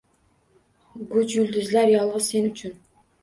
Gʼuj yulduzlar yolgʼiz sen uchun